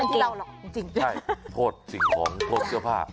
โทษสิ่งของพวกเสื้อผ้า